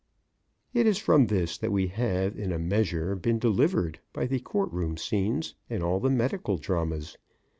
It is from this that we have, in a measure, been delivered by the court room scenes, and all the medical dramas.